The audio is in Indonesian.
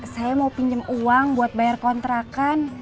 saya mau pinjam uang buat bayar kontrakan